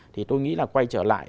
thì tôi nghĩ là quay trở lại